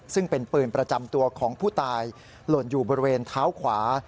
ซึ่งเป็นปืนประจำตัวของผู้ตายหล่นอยู่บริเวณเท้าขวา